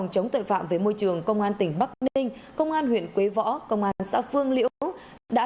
chống tội phạm về môi trường công an tỉnh bắc ninh công an huyện quế võ công an xã phương liễu đã